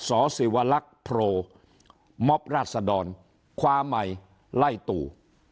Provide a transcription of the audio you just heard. สอศิวลักษณ์โพลมอบราชสะดอนคว้าไมล์ไล่ตู